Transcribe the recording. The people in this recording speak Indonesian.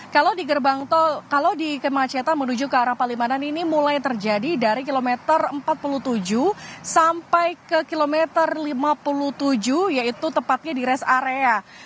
kalau di gerbang tol kalau di kemacetan menuju ke arah palimanan ini mulai terjadi dari kilometer empat puluh tujuh sampai ke kilometer lima puluh tujuh yaitu tepatnya di rest area